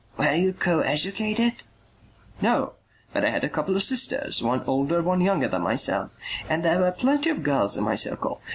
"Were you co educated?" "No. But I had a couple of sisters, one older, one younger than myself, and there were plenty of girls in my circle.